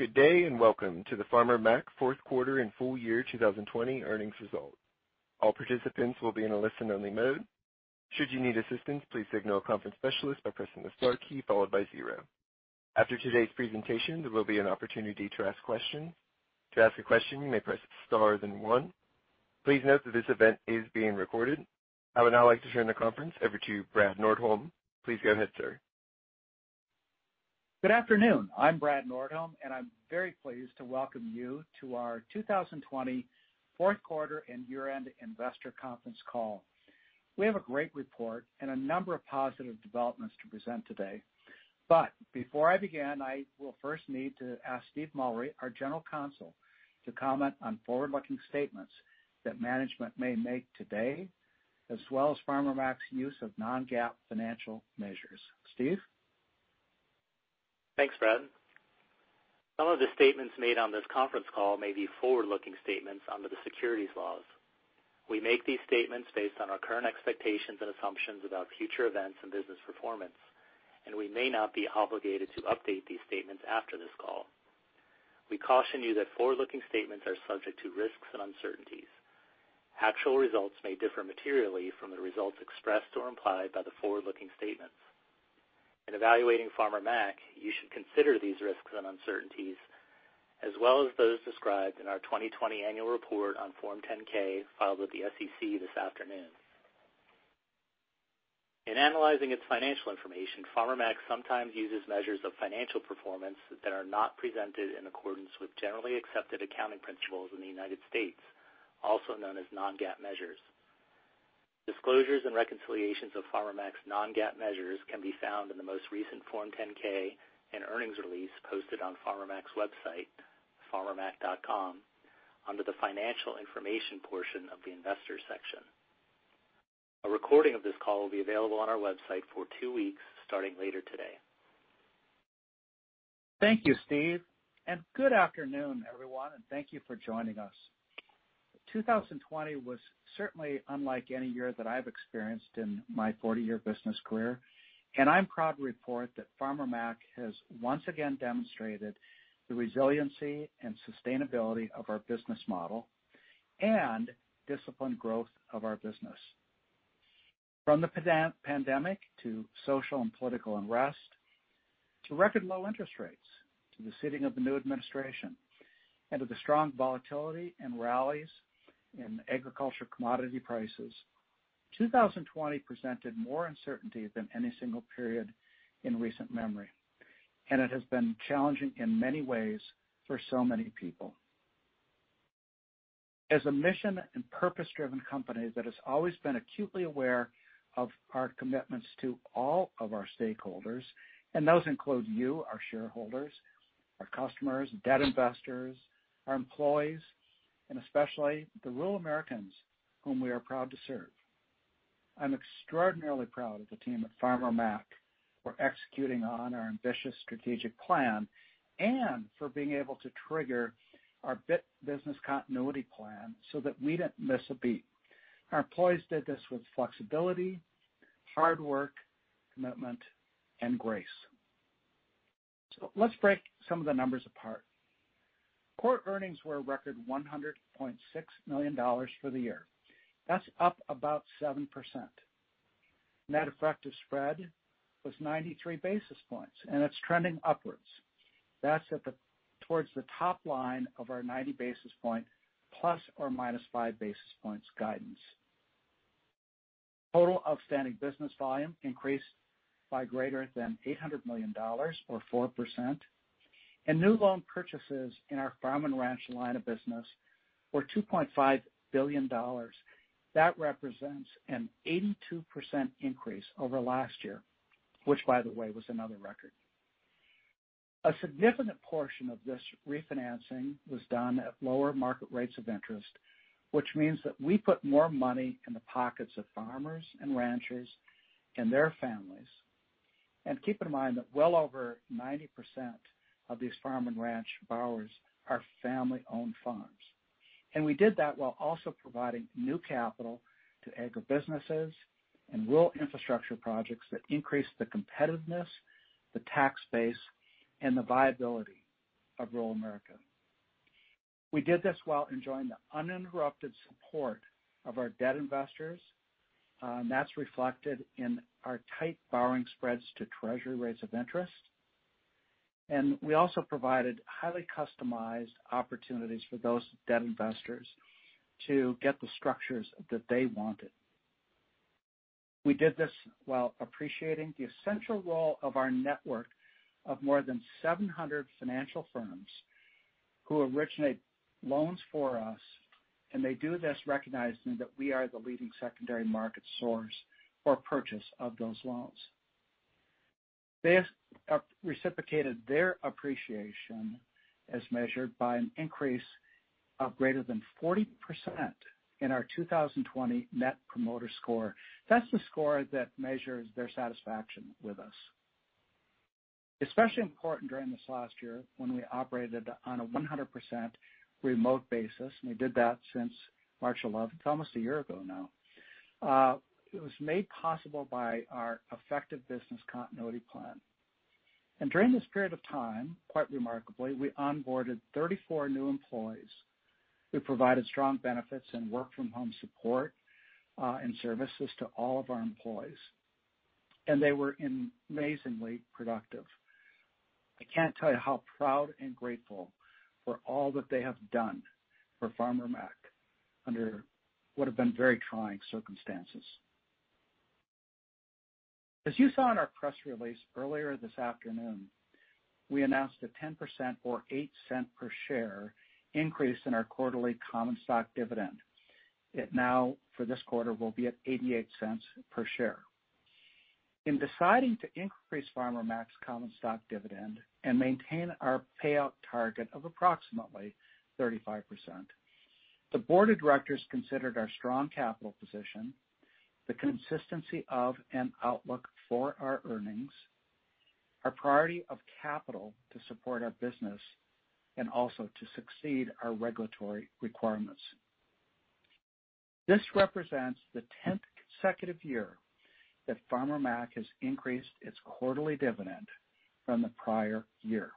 Good day, welcome to the Farmer Mac fourth quarter and full year 2020 earnings results. All participants will be in a listen-only mode. After today's presentation, there will be an opportunity to ask questions. To ask a question you may press star then one. Please note that this event is being recorded. I would now like to turn the conference over to Brad Nordholm. Please go ahead, sir. Good afternoon. I'm Brad Nordholm, and I'm very pleased to welcome you to our 2020 fourth quarter and year-end investor conference call. We have a great report and a number of positive developments to present today. Before I begin, I will first need to ask Steve Mullery, our General Counsel, to comment on forward-looking statements that management may make today, as well as Farmer Mac's use of non-GAAP financial measures. Steve? Thanks, Brad. Some of the statements made on this conference call may be forward-looking statements under the securities laws. We make these statements based on our current expectations and assumptions about future events and business performance, and we may not be obligated to update these statements after this call. We caution you that forward-looking statements are subject to risks and uncertainties. Actual results may differ materially from the results expressed or implied by the forward-looking statements. In evaluating Farmer Mac, you should consider these risks and uncertainties, as well as those described in our 2020 annual report on Form 10-K, filed with the SEC this afternoon. In analyzing its financial information, Farmer Mac sometimes uses measures of financial performance that are not presented in accordance with generally accepted accounting principles in the United States, also known as non-GAAP measures. Disclosures and reconciliations of Farmer Mac's non-GAAP measures can be found in the most recent Form 10-K and earnings release posted on Farmer Mac's website, farmermac.com, under the Financial Information portion of the Investors section. A recording of this call will be available on our website for two weeks starting later today. Thank you, Steve. Good afternoon, everyone, and thank you for joining us. 2020 was certainly unlike any year that I've experienced in my 40-year business career. I'm proud to report that Farmer Mac has once again demonstrated the resiliency and sustainability of our business model and disciplined growth of our business. From the pandemic to social and political unrest, to record low interest rates, to the sitting of the new administration, to the strong volatility and rallies in agriculture commodity prices, 2020 presented more uncertainty than any single period in recent memory. It has been challenging in many ways for so many people. As a mission and purpose-driven company that has always been acutely aware of our commitments to all of our stakeholders, those include you, our shareholders, our customers, debt investors, our employees, and especially the rural Americans whom we are proud to serve. I'm extraordinarily proud of the team at Farmer Mac for executing on our ambitious strategic plan and for being able to trigger our business continuity plan so that we didn't miss a beat. Our employees did this with flexibility, hard work, commitment, and grace. Let's break some of the numbers apart. Core earnings were a record $100.6 million for the year. That's up about 7%. Net effective spread was 93 basis points, and it's trending upwards. That's towards the top line of our 90 basis point plus or minus five basis points guidance. Total outstanding business volume increased by greater than $800 million, or 4%, and new loan purchases in our Farm & Ranch line of business were $2.5 billion. That represents an 82% increase over last year, which, by the way, was another record. A significant portion of this refinancing was done at lower market rates of interest, which means that we put more money in the pockets of farmers and ranchers and their families. Keep in mind that well over 90% of these farm and ranch borrowers are family-owned farms. We did that while also providing new capital to agribusinesses and rural infrastructure projects that increase the competitiveness, the tax base, and the viability of rural America. We did this while enjoying the uninterrupted support of our debt investors. That's reflected in our tight borrowing spreads to Treasury rates of interest. We also provided highly customized opportunities for those debt investors to get the structures that they wanted. We did this while appreciating the essential role of our network of more than 700 financial firms who originate loans for us, and they do this recognizing that we are the leading secondary market source for purchase of those loans. They reciprocated their appreciation as measured by an increase of greater than 40% in our 2020 Net Promoter Score. That's the score that measures their satisfaction with us. Especially important during this last year when we operated on a 100% remote basis, and we did that since March 11th. It's almost a year ago now. It was made possible by our effective business continuity plan. During this period of time, quite remarkably, we onboarded 34 new employees who provided strong benefits and work from home support, and services to all of our employees. They were amazingly productive. I can't tell you how proud and grateful for all that they have done for Farmer Mac under what have been very trying circumstances. As you saw in our press release earlier this afternoon, we announced a 10% or $0.08 per share increase in our quarterly common stock dividend. It now, for this quarter, will be at $0.88 per share. In deciding to increase Farmer Mac's common stock dividend and maintain our payout target of approximately 35%, the board of directors considered our strong capital position, the consistency of and outlook for our earnings, our priority of capital to support our business, and also to succeed our regulatory requirements. This represents the 10th consecutive year that Farmer Mac has increased its quarterly dividend from the prior year.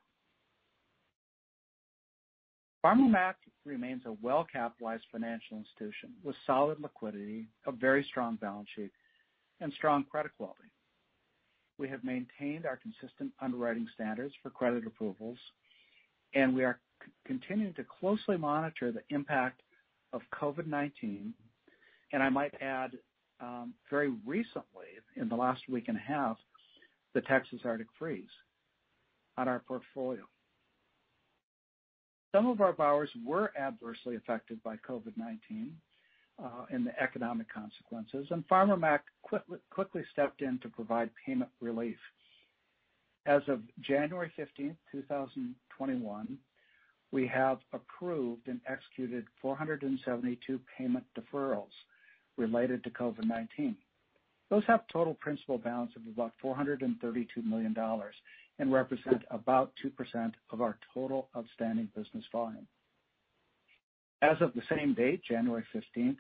Farmer Mac remains a well-capitalized financial institution with solid liquidity, a very strong balance sheet, and strong credit quality. We have maintained our consistent underwriting standards for credit approvals. We are continuing to closely monitor the impact of COVID-19, and I might add, very recently, in the last week and a half, the Texas Arctic Freeze on our portfolio. Some of our borrowers were adversely affected by COVID-19 and the economic consequences. Farmer Mac quickly stepped in to provide payment relief. As of January 15th, 2021, we have approved and executed 472 payment deferrals related to COVID-19. Those have total principal balance of about $432 million and represent about 2% of our total outstanding business volume. As of the same date, January 15th,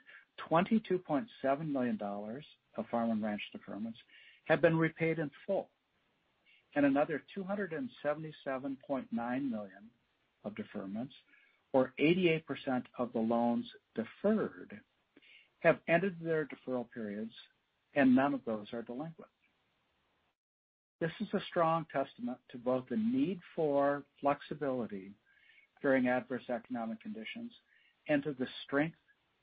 $22.7 million of Farm & Ranch deferments have been repaid in full, and another $277.9 million of deferments, or 88% of the loans deferred, have ended their deferral periods. None of those are delinquent. This is a strong testament to both the need for flexibility during adverse economic conditions and to the strength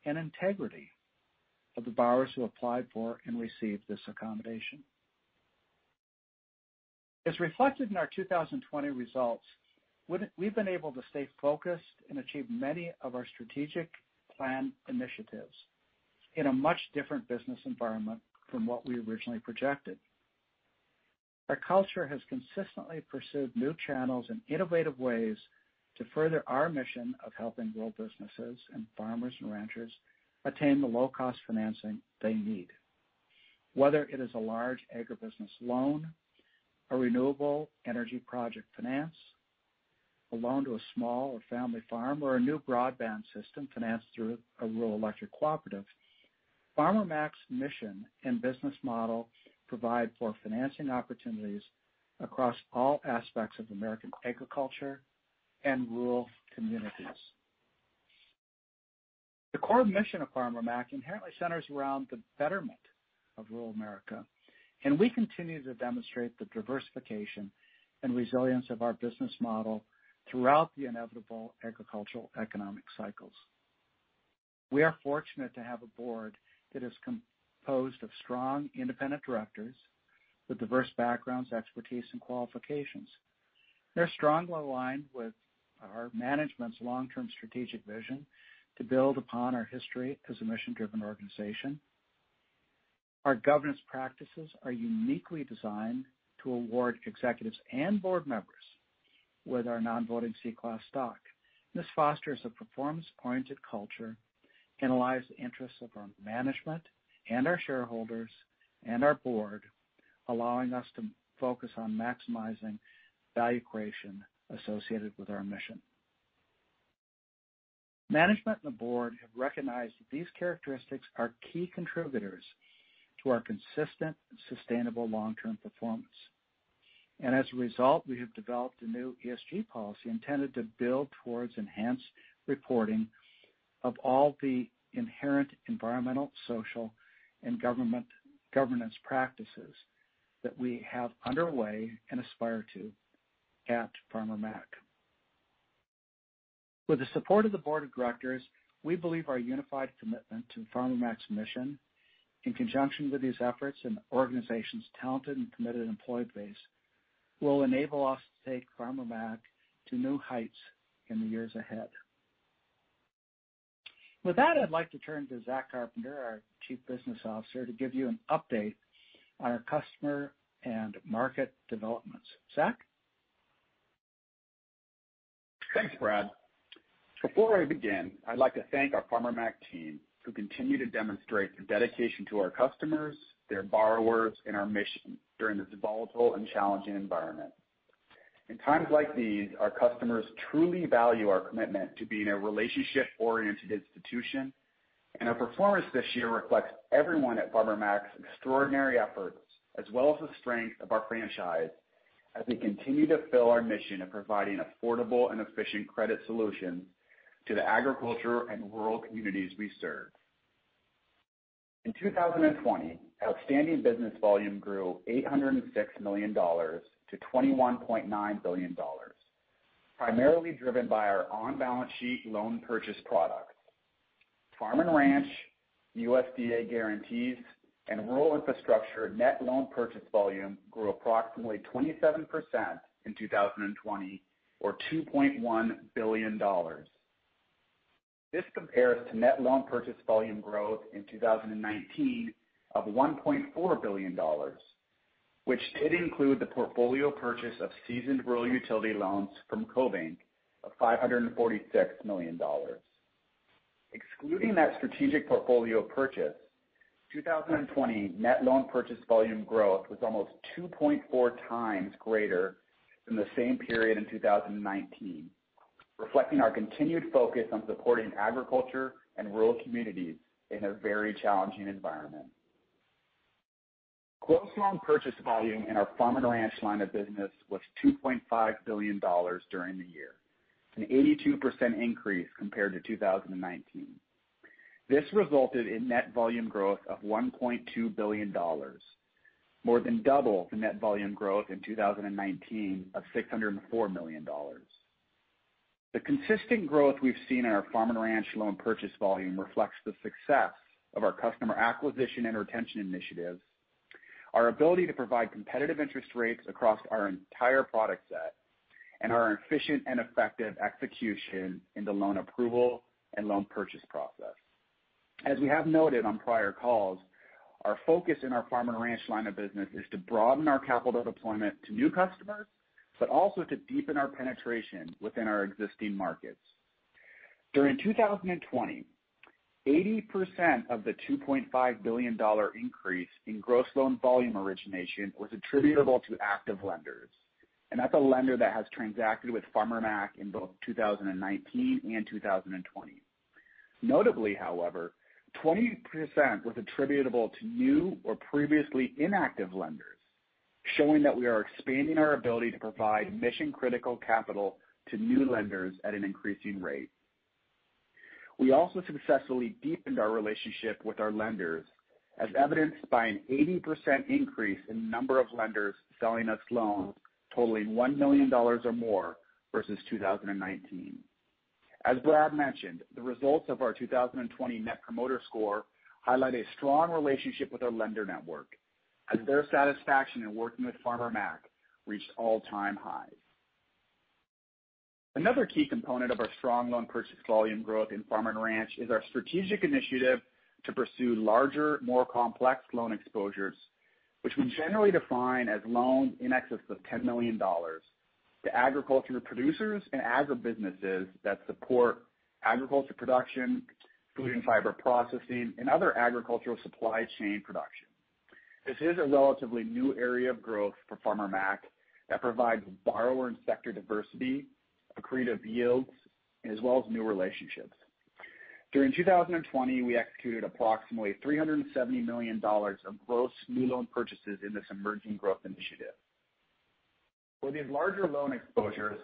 and integrity of the borrowers who applied for and received this accommodation. As reflected in our 2020 results, we've been able to stay focused and achieve many of our strategic plan initiatives in a much different business environment from what we originally projected. Our culture has consistently pursued new channels and innovative ways to further our mission of helping rural businesses and farmers and ranchers attain the low-cost financing they need. Whether it is a large agribusiness loan, a renewable energy project finance, a loan to a small or family farm, or a new broadband system financed through a rural electric cooperative, Farmer Mac's mission and business model provide for financing opportunities across all aspects of American agriculture and rural communities. The core mission of Farmer Mac inherently centers around the betterment of rural America, and we continue to demonstrate the diversification and resilience of our business model throughout the inevitable agricultural economic cycles. We are fortunate to have a board that is composed of strong independent directors with diverse backgrounds, expertise, and qualifications. They're strongly aligned with our management's long-term strategic vision to build upon our history as a mission-driven organization. Our governance practices are uniquely designed to award executives and board members with our non-voting Class C stock. This fosters a performance-oriented culture and aligns the interests of our management and our shareholders and our board, allowing us to focus on maximizing value creation associated with our mission. Management and the board have recognized that these characteristics are key contributors to our consistent and sustainable long-term performance. As a result, we have developed a new ESG policy intended to build towards enhanced reporting of all the inherent environmental, social, and governance practices that we have underway and aspire to at Farmer Mac. With the support of the board of directors, we believe our unified commitment to Farmer Mac's mission, in conjunction with these efforts and the organization's talented and committed employee base, will enable us to take Farmer Mac to new heights in the years ahead. With that, I'd like to turn to Zack Carpenter, our Chief Business Officer, to give you an update on our customer and market developments. Zack? Thanks, Brad. Before I begin, I'd like to thank our Farmer Mac team who continue to demonstrate their dedication to our customers, their borrowers, and our mission during this volatile and challenging environment. In times like these, our customers truly value our commitment to being a relationship-oriented institution, and our performance this year reflects everyone at Farmer Mac's extraordinary efforts, as well as the strength of our franchise, as we continue to fill our mission of providing affordable and efficient credit solutions to the agriculture and rural communities we serve. In 2020, outstanding business volume grew $806 million to $21.9 billion, primarily driven by our on-balance sheet loan purchase products. Farm & Ranch, USDA guarantees, and rural infrastructure net loan purchase volume grew approximately 27% in 2020, or $2.1 billion. This compares to net loan purchase volume growth in 2019 of $1.4 billion, which did include the portfolio purchase of seasoned Rural Utilities loans from CoBank of $546 million. Excluding that strategic portfolio purchase, 2020 net loan purchase volume growth was almost 2.4 times greater than the same period in 2019, reflecting our continued focus on supporting agriculture and rural communities in a very challenging environment. Gross loan purchase volume in our Farm & Ranch line of business was $2.5 billion during the year, an 82% increase compared to 2019. This resulted in net volume growth of $1.2 billion, more than double the net volume growth in 2019 of $604 million. The consistent growth we've seen in our Farm & Ranch loan purchase volume reflects the success of our customer acquisition and retention initiatives, our ability to provide competitive interest rates across our entire product set, and our efficient and effective execution in the loan approval and loan purchase process. As we have noted on prior calls, our focus in our Farm & Ranch line of business is to broaden our capital deployment to new customers, but also to deepen our penetration within our existing markets. During 2020, 80% of the $2.5 billion increase in gross loan volume origination was attributable to active lenders, and that's a lender that has transacted with Farmer Mac in both 2019 and 2020. Notably, however, 20% was attributable to new or previously inactive lenders, showing that we are expanding our ability to provide mission-critical capital to new lenders at an increasing rate. We also successfully deepened our relationship with our lenders, as evidenced by an 80% increase in number of lenders selling us loans totaling $1 million or more versus 2019. As Brad mentioned, the results of our 2020 Net Promoter Score highlight a strong relationship with our lender network, as their satisfaction in working with Farmer Mac reached all-time highs. Another key component of our strong loan purchase volume growth in Farm & Ranch is our strategic initiative to pursue larger, more complex loan exposures, which we generally define as loans in excess of $10 million to agriculture producers and agri-businesses that support agriculture production, food and fiber processing, and other agricultural supply chain production. This is a relatively new area of growth for Farmer Mac that provides borrower and sector diversity, accretive yields, as well as new relationships. During 2020, we executed approximately $370 million of gross new loan purchases in this emerging growth initiative. For these larger loan exposures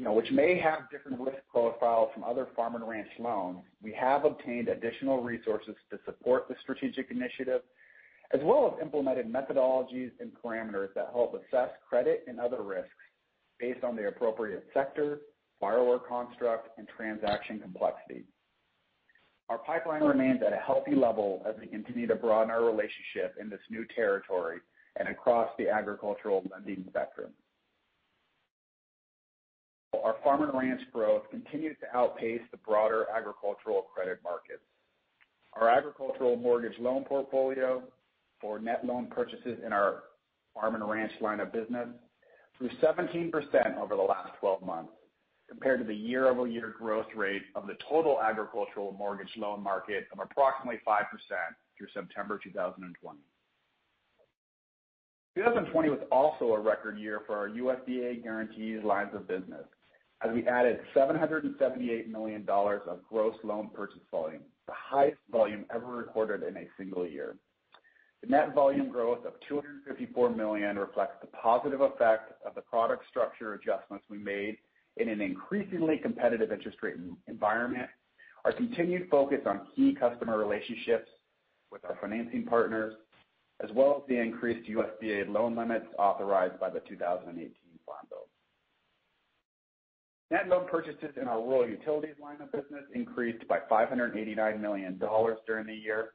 which may have different risk profiles from other farm and ranch loans, we have obtained additional resources to support this strategic initiative, as well as implemented methodologies and parameters that help assess credit and other risks based on the appropriate sector, borrower construct, and transaction complexity. Our pipeline remains at a healthy level as we continue to broaden our relationship in this new territory and across the agricultural lending spectrum. Our farm and ranch growth continues to outpace the broader agricultural credit markets. Our agricultural mortgage loan portfolio for net loan purchases in our Farm & Ranch line of business grew 17% over the last 12 months compared to the year-over-year growth rate of the total agricultural mortgage loan market of approximately 5% through September 2020. 2020 was also a record year for our USDA guarantees lines of business as we added $778 million of gross loan purchase volume, the highest volume ever recorded in a single year. The net volume growth of $254 million reflects the positive effect of the product structure adjustments we made in an increasingly competitive interest rate environment, our continued focus on key customer relationships with our financing partners, as well as the increased USDA loan limits authorized by the 2018 Farm Bill. Net loan purchases in our Rural Utilities line of business increased by $589 million during the year,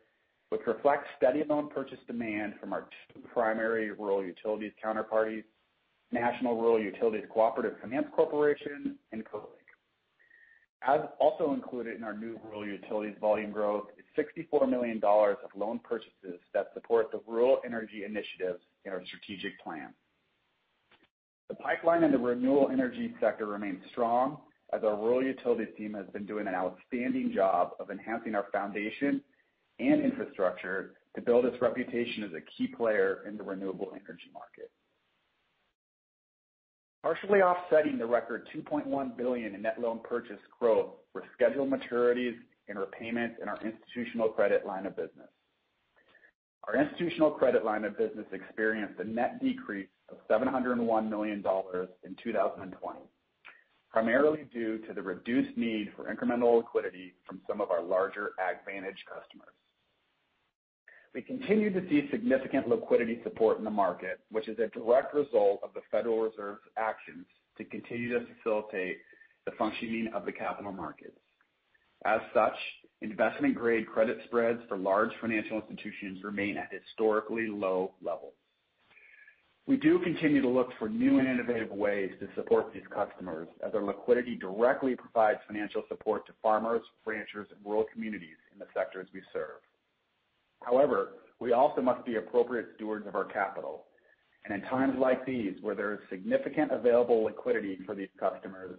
which reflects steady loan purchase demand from our two primary Rural Utilities counterparties, National Rural Utilities Cooperative Finance Corporation and Cobank. Also included in our new Rural Utilities volume growth is $64 million of loan purchases that support the rural energy initiatives in our strategic plan. The pipeline in the Rural Utilities sector remains strong, as our Rural Utilities team has been doing an outstanding job of enhancing our foundation and infrastructure to build its reputation as a key player in the renewable energy market. Partially offsetting the record $2.1 billion in net loan purchase growth were scheduled maturities and repayments in our Institutional Credit line of business. Our Institutional Credit line of business experienced a net decrease of $701 million in 2020, primarily due to the reduced need for incremental liquidity from some of our larger AgVantage customers. We continue to see significant liquidity support in the market, which is a direct result of the Federal Reserve's actions to continue to facilitate the functioning of the capital markets. As such, investment-grade credit spreads for large financial institutions remain at historically low levels. We do continue to look for new and innovative ways to support these customers, as their liquidity directly provides financial support to farmers, ranchers, and rural communities in the sectors we serve. We also must be appropriate stewards of our capital, and in times like these, where there is significant available liquidity for these customers,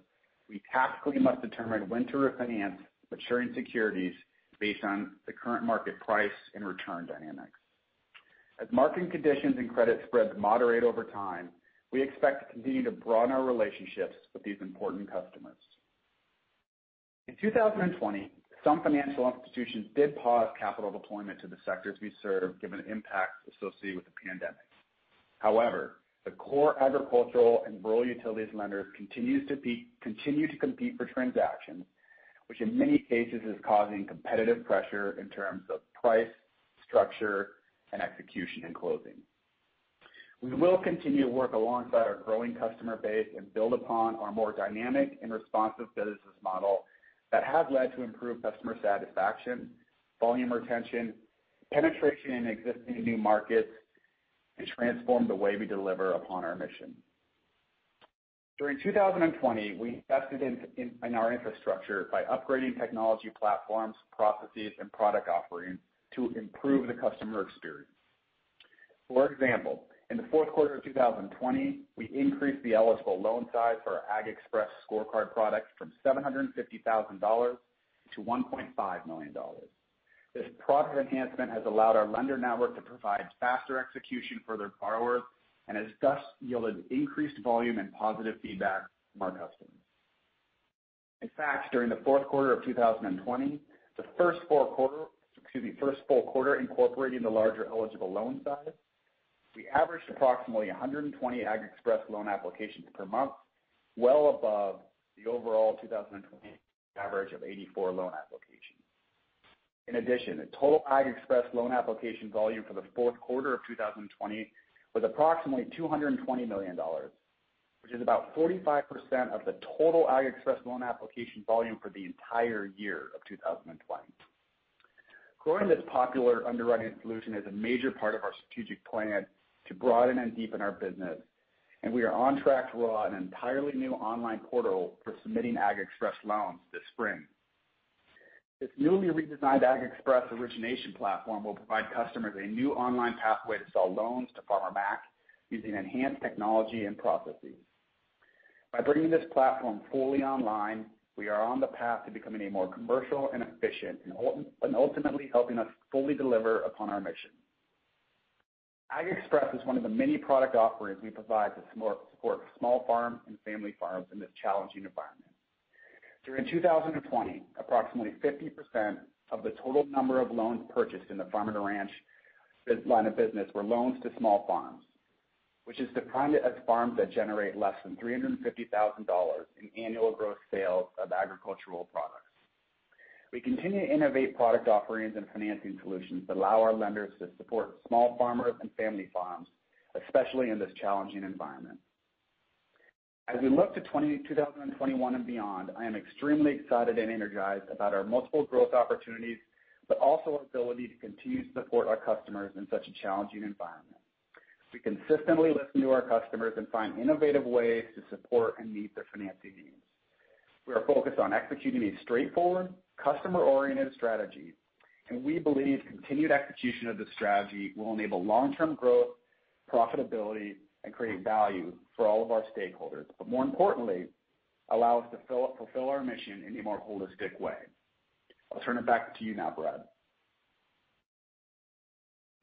we tactically must determine when to refinance maturing securities based on the current market price and return dynamics. Market conditions and credit spreads moderate over time, we expect to continue to broaden our relationships with these important customers. In 2020, some financial institutions did pause capital deployment to the sectors we serve, given the impact associated with the pandemic. The core agricultural and Rural Utilities lenders continue to compete for transactions, which in many cases is causing competitive pressure in terms of price, structure, and execution and closing. We will continue to work alongside our growing customer base and build upon our more dynamic and responsive business model that has led to improved customer satisfaction, volume retention, penetration in existing new markets, and transform the way we deliver upon our mission. During 2020, we invested in our infrastructure by upgrading technology platforms, processes, and product offerings to improve the customer experience. For example, in the fourth quarter of 2020, we increased the eligible loan size for our AgXpress scorecard product from $750,000-$1.5 million. This product enhancement has allowed our lender network to provide faster execution for their borrowers and has thus yielded increased volume and positive feedback from our customers In fact, during the fourth quarter of 2020, the first full quarter incorporating the larger eligible loan size, we averaged approximately 120 AgXpress loan applications per month, well above the overall 2020 average of 84 loan applications. In addition, the total AgXpress loan application volume for the fourth quarter of 2020 was approximately $220 million, which is about 45% of the total AgXpress loan application volume for the entire year of 2020. Growing this popular underwriting solution is a major part of our strategic plan to broaden and deepen our business, and we are on track to roll out an entirely new online portal for submitting AgXpress loans this spring. This newly redesigned AgXpress origination platform will provide customers a new online pathway to sell loans to Farmer Mac using enhanced technology and processes. By bringing this platform fully online, we are on the path to becoming more commercial and efficient and ultimately helping us fully deliver upon our mission. AgXpress is one of the many product offerings we provide to support small farms and family farms in this challenging environment. During 2020, approximately 50% of the total number of loans purchased in the Farm & Ranch line of business were loans to small farms, which is defined as farms that generate less than $350,000 in annual gross sales of agricultural products. We continue to innovate product offerings and financing solutions that allow our lenders to support small farmers and family farms, especially in this challenging environment. As we look to 2021 and beyond, I am extremely excited and energized about our multiple growth opportunities, but also our ability to continue to support our customers in such a challenging environment. We consistently listen to our customers and find innovative ways to support and meet their financing needs. We are focused on executing a straightforward, customer-oriented strategy, and we believe continued execution of this strategy will enable long-term growth, profitability, and create value for all of our stakeholders. More importantly, allow us to fulfill our mission in a more holistic way. I'll turn it back to you now, Brad.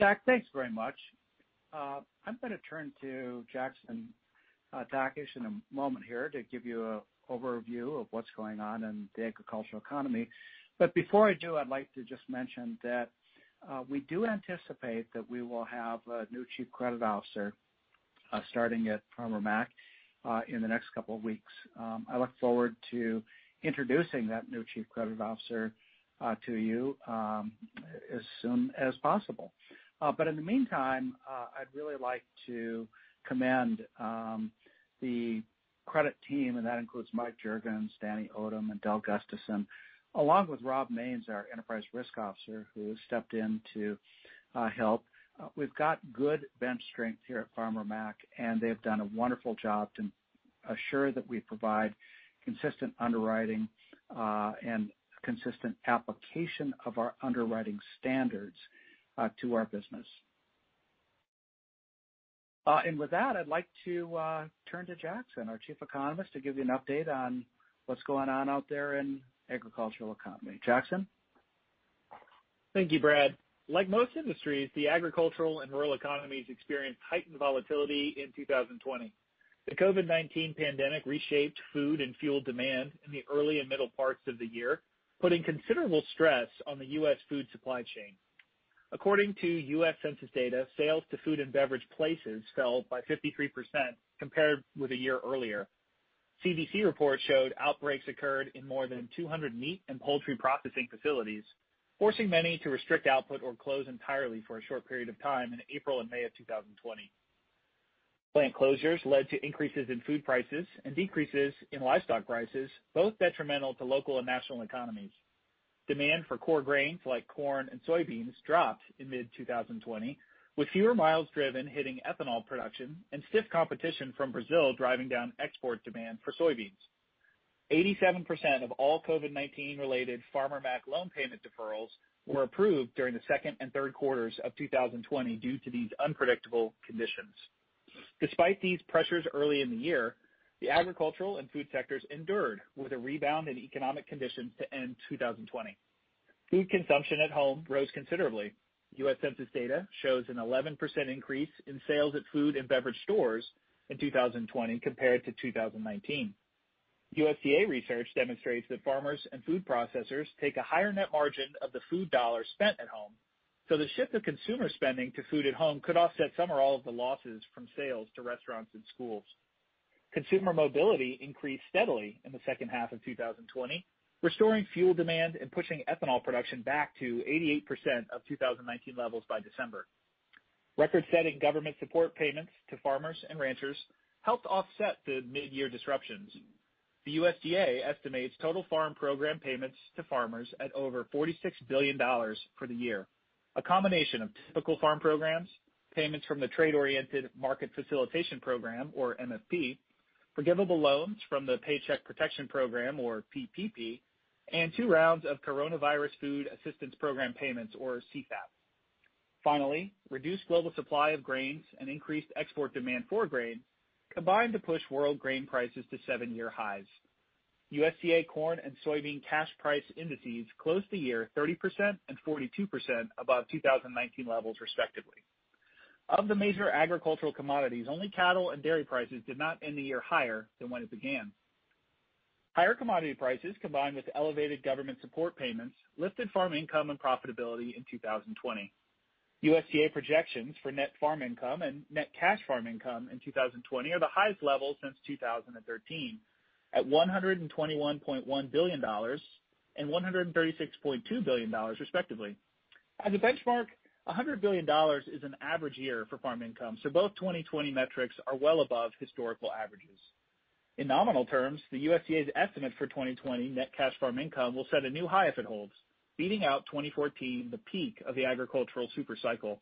Zack, thanks very much. I'm going to turn to Jackson Takach in a moment here to give you an overview of what's going on in the agricultural economy. Before I do, I'd like to just mention that we do anticipate that we will have a new Chief Credit Officer starting at Farmer Mac in the next couple of weeks. I look forward to introducing that new Chief Credit Officer to you as soon as possible. In the meantime, I'd really like to commend the credit team, and that includes Mike Juergens, Danny Odom, and Del Gustison, along with Robert Maines, our Enterprise Risk Officer, who stepped in to help. We've got good bench strength here at Farmer Mac, they've done a wonderful job to assure that we provide consistent underwriting and consistent application of our underwriting standards to our business. With that, I'd like to turn to Jackson, our chief economist, to give you an update on what's going on out there in agricultural economy. Jackson? Thank you, Brad. Like most industries, the agricultural and rural economies experienced heightened volatility in 2020. The COVID-19 pandemic reshaped food and fuel demand in the early and middle parts of the year, putting considerable stress on the U.S. food supply chain. According to U.S. Census data, sales to food and beverage places fell by 53% compared with a year earlier. CDC reports showed outbreaks occurred in more than 200 meat and poultry processing facilities, forcing many to restrict output or close entirely for a short period of time in April and May of 2020. Plant closures led to increases in food prices and decreases in livestock prices, both detrimental to local and national economies. Demand for core grains like corn and soybeans dropped in mid-2020, with fewer miles driven hitting ethanol production and stiff competition from Brazil driving down export demand for soybeans. 87% of all COVID-19 related Farmer Mac loan payment deferrals were approved during the second and third quarters of 2020 due to these unpredictable conditions. Despite these pressures early in the year, the agricultural and food sectors endured with a rebound in economic conditions to end 2020. Food consumption at home rose considerably. U.S. Census data shows an 11% increase in sales at food and beverage stores in 2020 compared to 2019. USDA research demonstrates that farmers and food processors take a higher net margin of the food dollar spent at home, the shift of consumer spending to food at home could offset some or all of the losses from sales to restaurants and schools. Consumer mobility increased steadily in the second half of 2020, restoring fuel demand and pushing ethanol production back to 88% of 2019 levels by December. Record-setting government support payments to farmers and ranchers helped offset the midyear disruptions. The USDA estimates total farm program payments to farmers at over $46 billion for the year. A combination of typical farm programs, payments from the trade-oriented Market Facilitation Program, or MFP, forgivable loans from the Paycheck Protection Program, or PPP, and two rounds of Coronavirus Food Assistance Program payments, or CFAP. Finally, reduced global supply of grains and increased export demand for grain combined to push world grain prices to seven-year highs. USDA corn and soybean cash price indices closed the year 30% and 42% above 2019 levels respectively. Of the major agricultural commodities, only cattle and dairy prices did not end the year higher than when it began. Higher commodity prices, combined with elevated government support payments, lifted farm income and profitability in 2020. USDA projections for net farm income and net cash farm income in 2020 are the highest levels since 2013, at $121.1 billion and $136.2 billion, respectively. As a benchmark, $100 billion is an average year for farm income, so both 2020 metrics are well above historical averages. In nominal terms, the USDA's estimate for 2020 net cash farm income will set a new high if it holds, beating out 2014, the peak of the agricultural super cycle.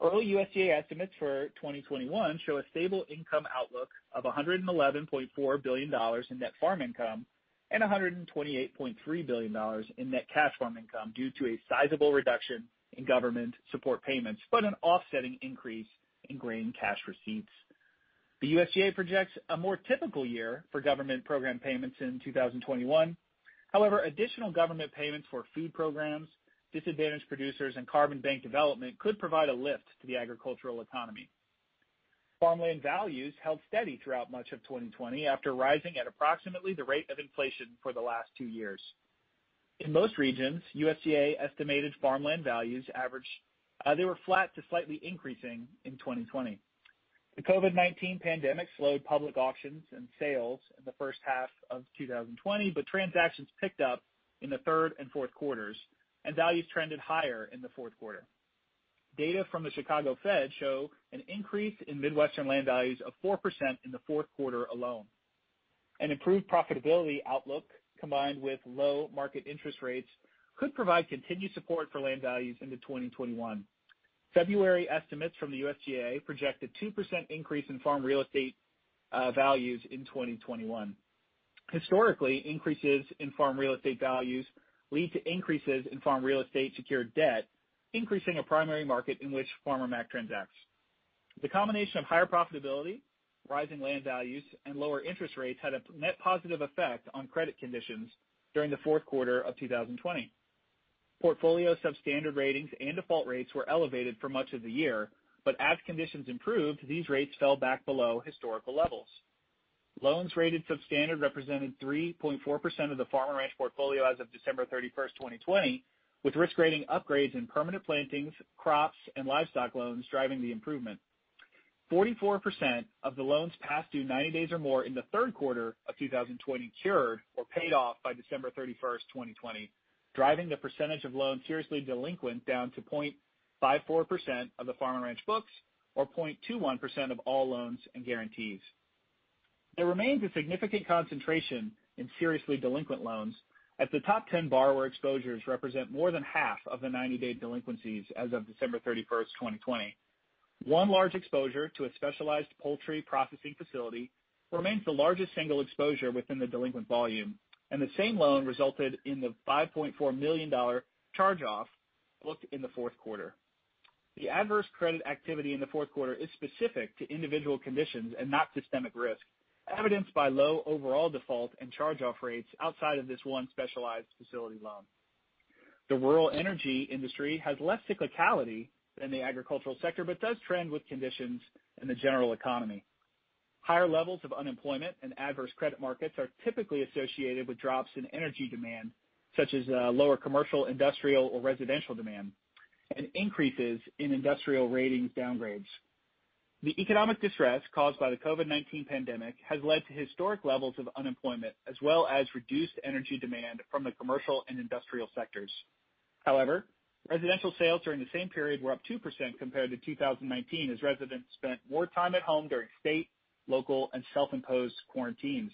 Early USDA estimates for 2021 show a stable income outlook of $111.4 billion in net farm income and $128.3 billion in net cash farm income due to a sizable reduction in government support payments, but an offsetting increase in grain cash receipts. The USDA projects a more typical year for government program payments in 2021. However, additional government payments for food programs, disadvantaged producers, and carbon bank development could provide a lift to the agricultural economy. Farmland values held steady throughout much of 2020 after rising at approximately the rate of inflation for the last two years. In most regions, USDA estimated farmland values averaged They were flat to slightly increasing in 2020. The COVID-19 pandemic slowed public auctions and sales in the first half of 2020, but transactions picked up in the third and fourth quarters, and values trended higher in the fourth quarter. Data from the Chicago Fed show an increase in Midwestern land values of 4% in the fourth quarter alone. An improved profitability outlook combined with low market interest rates could provide continued support for land values into 2021. February estimates from the USDA project a 2% increase in farm real estate values in 2021. Historically, increases in farm real estate values lead to increases in farm real estate-secured debt, increasing a primary market in which Farmer Mac transacts. The combination of higher profitability, rising land values, and lower interest rates had a net positive effect on credit conditions during the fourth quarter of 2020. Portfolio substandard ratings and default rates were elevated for much of the year, but as conditions improved, these rates fell back below historical levels. Loans rated substandard represented 3.4% of the Farm & Ranch portfolio as of December 31st, 2020, with risk rating upgrades in permanent plantings, crops, and livestock loans driving the improvement. 44% of the loans past due 90 days or more in the third quarter of 2020 cured or paid off by December 31st, 2020, driving the percentage of loans seriously delinquent down to 0.54% of the Farm & Ranch books or 0.21% of all loans and guarantees. There remains a significant concentration in seriously delinquent loans, as the top 10 borrower exposures represent more than half of the 90-day delinquencies as of December 31st, 2020. One large exposure to a specialized poultry processing facility remains the largest single exposure within the delinquent volume, and the same loan resulted in the $5.4 million charge-off booked in the fourth quarter. The adverse credit activity in the fourth quarter is specific to individual conditions and not systemic risk, evidenced by low overall default and charge-off rates outside of this one specialized facility loan. The rural energy industry has less cyclicality than the agricultural sector but does trend with conditions in the general economy. Higher levels of unemployment and adverse credit markets are typically associated with drops in energy demand, such as lower commercial, industrial, or residential demand, and increases in industrial ratings downgrades. The economic distress caused by the COVID-19 pandemic has led to historic levels of unemployment as well as reduced energy demand from the commercial and industrial sectors. However, residential sales during the same period were up 2% compared to 2019 as residents spent more time at home during state, local, and self-imposed quarantines.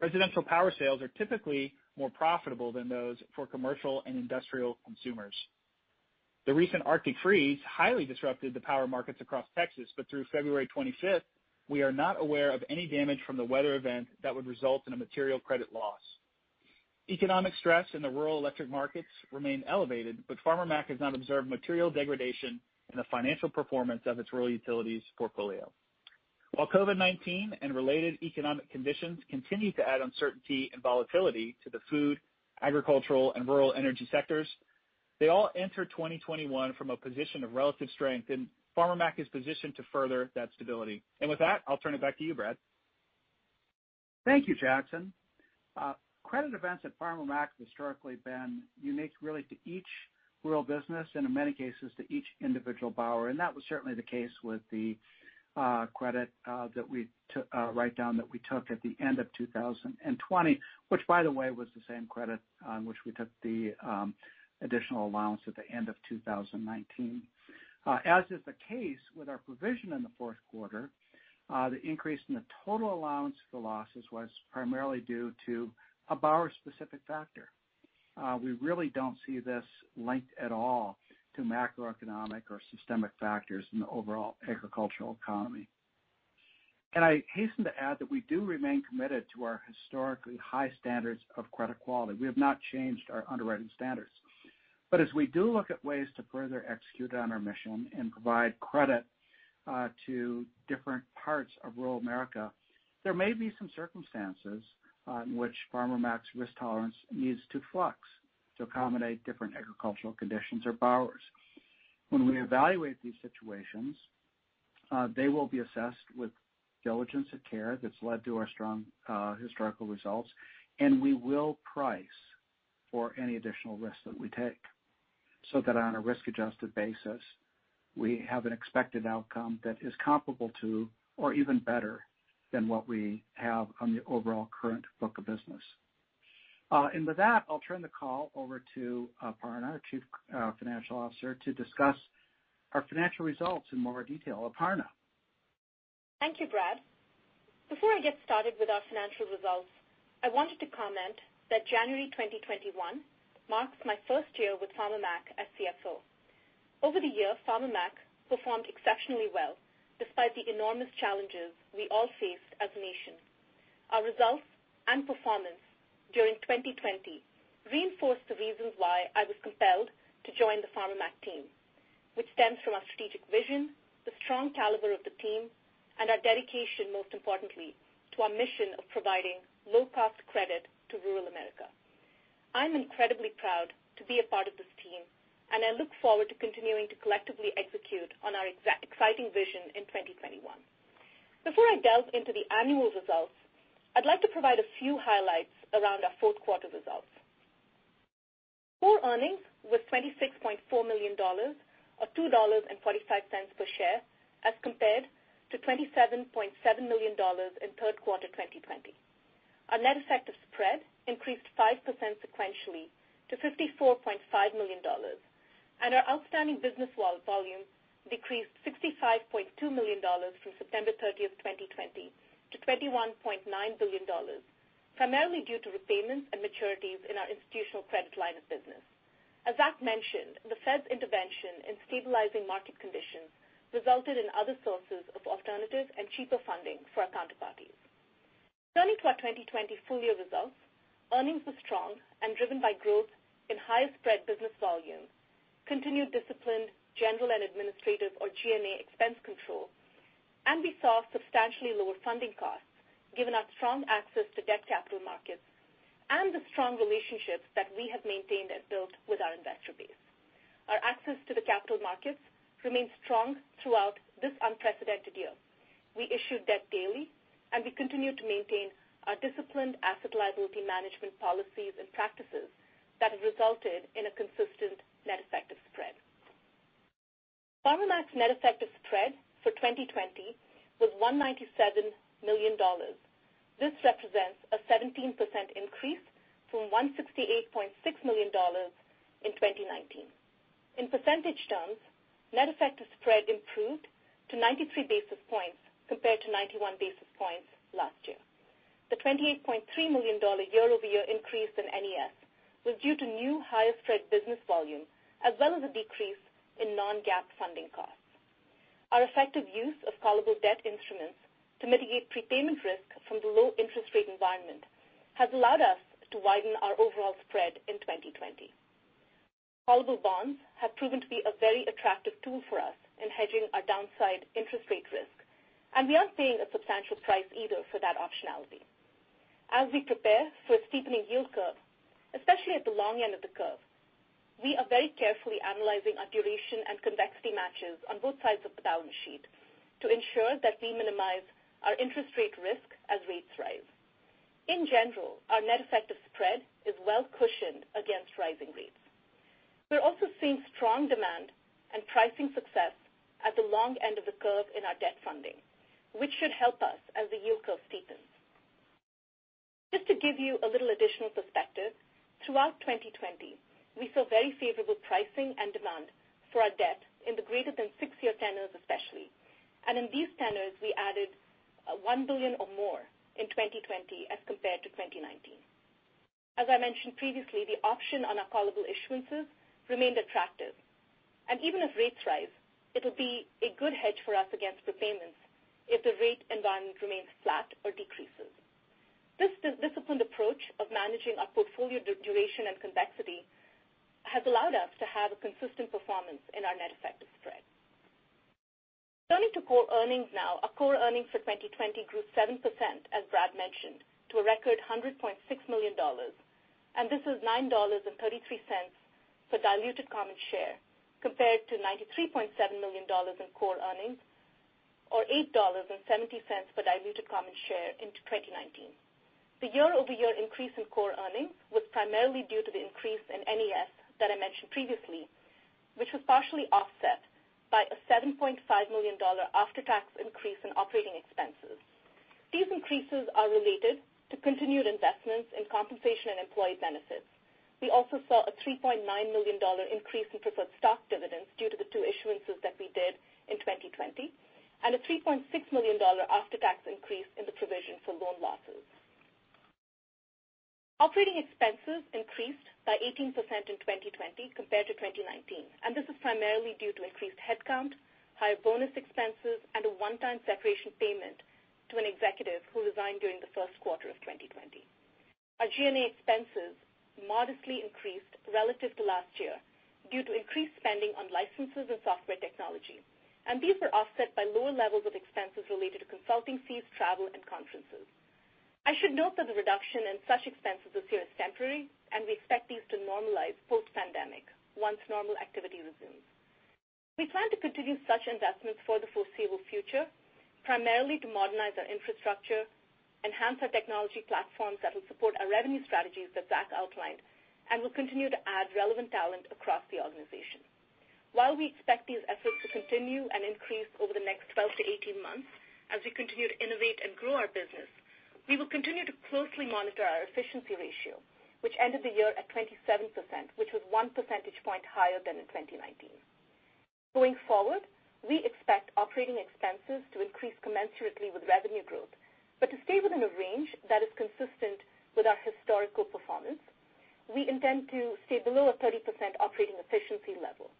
Residential power sales are typically more profitable than those for commercial and industrial consumers. The recent Arctic freeze highly disrupted the power markets across Texas, but through February 25th, we are not aware of any damage from the weather event that would result in a material credit loss. Economic stress in the rural electric markets remain elevated, but Farmer Mac has not observed material degradation in the financial performance of its rural utilities portfolio. While COVID-19 and related economic conditions continue to add uncertainty and volatility to the food, agricultural, and rural energy sectors, they all enter 2021 from a position of relative strength, and Farmer Mac is positioned to further that stability. With that, I'll turn it back to you, Brad. Thank you, Jackson. Credit events at Farmer Mac have historically been unique really to each rural business and in many cases to each individual borrower. That was certainly the case with the credit write-down that we took at the end of 2020, which, by the way, was the same credit on which we took the additional allowance at the end of 2019. As is the case with our provision in the fourth quarter, the increase in the total allowance for losses was primarily due to a borrower-specific factor. We really don't see this linked at all to macroeconomic or systemic factors in the overall agricultural economy. I hasten to add that we do remain committed to our historically high standards of credit quality. We have not changed our underwriting standards. As we do look at ways to further execute on our mission and provide credit to different parts of rural America, there may be some circumstances in which Farmer Mac's risk tolerance needs to flux to accommodate different agricultural conditions or borrowers. When we evaluate these situations, they will be assessed with diligence of care that's led to our strong historical results, and we will price for any additional risk that we take so that on a risk-adjusted basis, we have an expected outcome that is comparable to or even better than what we have on the overall current book of business. With that, I'll turn the call over to Aparna, our Chief Financial Officer, to discuss our financial results in more detail. Aparna. Thank you, Brad. Before I get started with our financial results, I wanted to comment that January 2021 marks my first year with Farmer Mac as CFO. Over the year, Farmer Mac performed exceptionally well despite the enormous challenges we all faced as a nation. Our results and performance during 2020 reinforced the reasons why I was compelled to join the Farmer Mac team, which stems from our strategic vision, the strong caliber of the team, and our dedication, most importantly, to our mission of providing low-cost credit to rural America. I'm incredibly proud to be a part of this team, and I look forward to continuing to collectively execute on our exciting vision in 2021. Before I delve into the annual results, I'd like to provide a few highlights around our fourth quarter results. Core earnings was $26.4 million, or $2.45 per share, as compared to $27.7 million in third quarter 2020. Our net effective spread increased 5% sequentially to $54.5 million. Our outstanding business volumes decreased $65.2 million from September 30th, 2020 to $21.9 billion, primarily due to repayments and maturities in our Institutional Credit line of business. As Zack mentioned, the Fed's intervention in stabilizing market conditions resulted in other sources of alternative and cheaper funding for our counterparties. Turning to our 2020 full-year results, earnings were strong and driven by growth in higher spread business volumes, continued disciplined general and administrative or G&A expense control, we saw substantially lower funding costs given our strong access to debt capital markets and the strong relationships that we have maintained and built with our investor base. Our access to the capital markets remained strong throughout this unprecedented year. We issued debt daily, we continued to maintain our disciplined asset liability management policies and practices that have resulted in a consistent net effective spread. Farmer Mac's net effective spread for 2020 was $197 million. This represents a 17% increase from $168.6 million in 2019. In percentage terms, net effective spread improved to 93 basis points compared to 91 basis points last year. The $28.3 million year-over-year increase in NES was due to new higher spread business volume as well as a decrease in non-GAAP funding costs. Our effective use of callable debt instruments to mitigate prepayment risk from the low interest rate environment has allowed us to widen our overall spread in 2020. Callable bonds have proven to be a very attractive tool for us in hedging our downside interest rate risk, we aren't paying a substantial price either for that optionality. As we prepare for a steepening yield curve, especially at the long end of the curve, we are very carefully analyzing our duration and convexity matches on both sides of the balance sheet to ensure that we minimize our interest rate risk as rates rise. In general, our net effective spread is well cushioned against rising rates. We are also seeing strong demand and pricing success at the long end of the curve in our debt funding, which should help us as the yield curve steepens. Just to give you a little additional perspective, throughout 2020, we saw very favorable pricing and demand for our debt in the greater than six-year tenors especially. In these tenors, we added $1 billion or more in 2020 as compared to 2019. As I mentioned previously, the option on our callable issuances remained attractive, and even as rates rise, it'll be a good hedge for us against prepayments if the rate environment remains flat or decreases. This disciplined approach of managing our portfolio duration and convexity has allowed us to have a consistent performance in our net effective spread. Turning to core earnings now. Our core earnings for 2020 grew 7%, as Brad mentioned, to a record $100.6 million. This is $9.33 per diluted common share compared to $93.7 million in core earnings or $8.70 per diluted common share into 2019. The year-over-year increase in core earnings was primarily due to the increase in NES that I mentioned previously, which was partially offset by a $7.5 million after-tax increase in operating expenses. These increases are related to continued investments in compensation and employee benefits. We also saw a $3.9 million increase in preferred stock dividends due to the two issuances that we did in 2020, and a $3.6 million after-tax increase in the provision for loan losses. Operating expenses increased by 18% in 2020 compared to 2019, and this is primarily due to increased headcount, higher bonus expenses, and a one-time separation payment to an executive who resigned during the first quarter of 2020. Our G&A expenses modestly increased relative to last year due to increased spending on licenses and software technology, and these were offset by lower levels of expenses related to consulting fees, travel, and conferences. I should note that the reduction in such expenses this year is temporary, and we expect these to normalize post-pandemic once normal activity resumes. We plan to continue such investments for the foreseeable future, primarily to modernize our infrastructure, enhance our technology platforms that will support our revenue strategies that Zack outlined, and will continue to add relevant talent across the organization. While we expect these efforts to continue and increase over the next 12-18 months as we continue to innovate and grow our business, we will continue to closely monitor our efficiency ratio, which ended the year at 27%, which was one percentage point higher than in 2019. Going forward, we expect operating expenses to increase commensurately with revenue growth, but to stay within a range that is consistent with our historical performance. We intend to stay below a 30% operating efficiency level.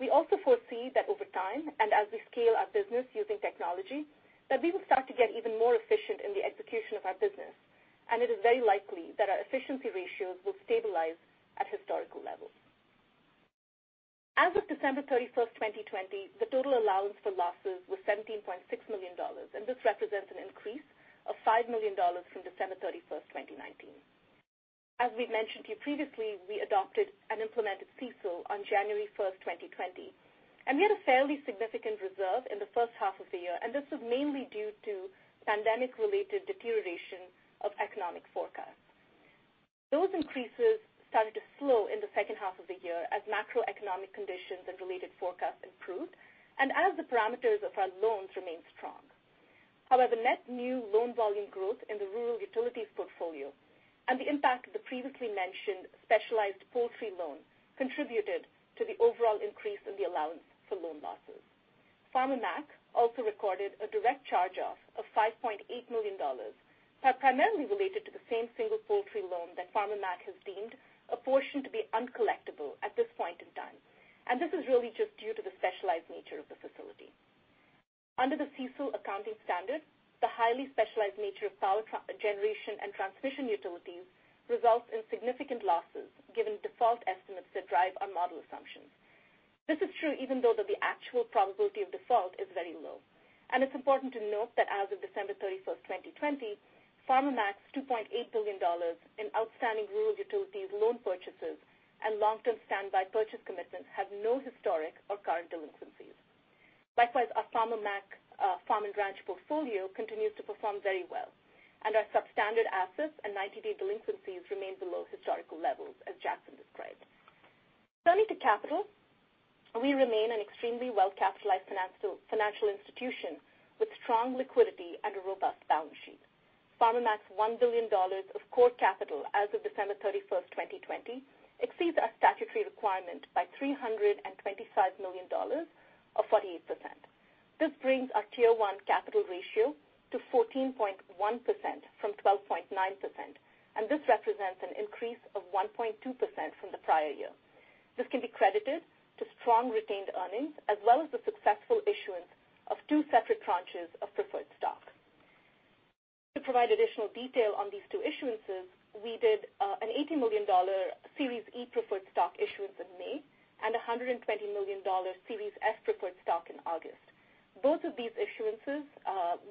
We also foresee that over time, and as we scale our business using technology, that we will start to get even more efficient in the execution of our business, and it is very likely that our efficiency ratios will stabilize at historical levels. As of December 31st, 2020, the total allowance for losses was $17.6 million, and this represents an increase of $5 million from December 31st, 2019. As we mentioned to you previously, we adopted and implemented CECL on January 1st, 2020, and we had a fairly significant reserve in the first half of the year, and this was mainly due to pandemic-related deterioration of economic forecasts. Those increases started to slow in the second half of the year as macroeconomic conditions and related forecasts improved and as the parameters of our loans remained strong. However, net new loan volume growth in the Rural Utilities portfolio and the impact of the previously mentioned specialized poultry loan contributed to the overall increase in the allowance for loan losses. Farmer Mac also recorded a direct charge-off of $5.8 million that primarily related to the same single poultry loan that Farmer Mac has deemed a portion to be uncollectible at this point in time. This is really just due to the specialized nature of the facility. Under the CECL accounting standard, the highly specialized nature of power generation and transmission utilities results in significant loss given default estimates that drive our model assumptions. This is true even though the actual probability of default is very low. It's important to note that as of December 31st, 2020, Farmer Mac's $2.8 billion in outstanding rural utilities loan purchases and long-term standby purchase commitments have no historic or current delinquencies. Likewise, our Farmer Mac Farm & Ranch portfolio continues to perform very well, and our substandard assets and 90-day delinquencies remain below historical levels, as Jackson described. Turning to capital, we remain an extremely well-capitalized financial institution with strong liquidity and a robust balance sheet. Farmer Mac's $1 billion of core capital as of December 31st, 2020, exceeds our statutory requirement by $325 million, or 48%. This brings our Tier 1 capital ratio to 14.1% from 12.9%. This represents an increase of 1.2% from the prior year. This can be credited to strong retained earnings, as well as the successful issuance of two separate tranches of preferred stock. To provide additional detail on these two issuances, we did an $80 million Series E preferred stock issuance in May, and $120 million Series F preferred stock in August. Both of these issuances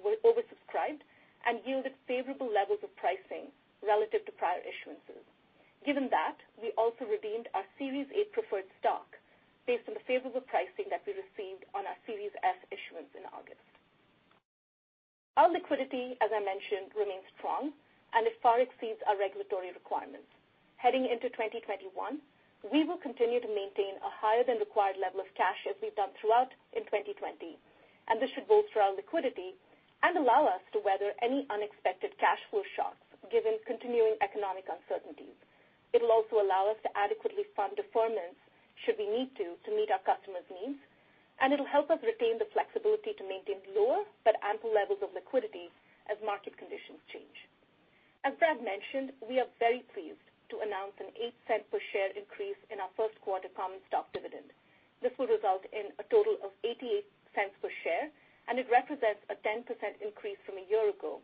were oversubscribed and yielded favorable levels of pricing relative to prior issuances. Given that, we also redeemed our Series A preferred stock based on the favorable pricing that we received on our Series F issuance in August. Our liquidity, as I mentioned, remains strong and it far exceeds our regulatory requirements. Heading into 2021, we will continue to maintain a higher than required level of cash as we've done throughout in 2020, this should bolster our liquidity and allow us to weather any unexpected cash flow shocks given continuing economic uncertainties. It'll also allow us to adequately fund deferments should we need to meet our customers' needs, and it'll help us retain the flexibility to maintain lower but ample levels of liquidity as market conditions change. As Brad mentioned, we are very pleased to announce a $0.08 per share increase in our first quarter common stock dividend. This will result in a total of $0.88 per share, and it represents a 10% increase from a year ago,